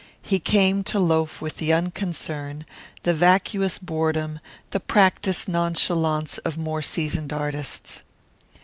He came to loaf with the unconcern, the vacuous boredom, the practised nonchalance, of more seasoned artists.